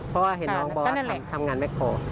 เพราะว่าเห็นบอกว่าทำงานแม็กโคน